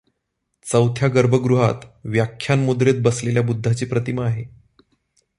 चौथ्या गर्भगृहात व्याख्यान मुद्रेत बसलेल्या बुद्धाची प्रतिमा आहे.